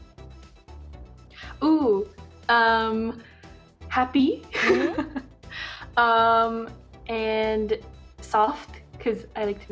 dan lembut karena saya suka menjelaskan